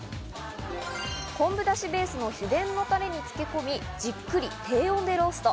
昆布だしベースの秘伝のタレに漬け込み、じっくり低温でロースト。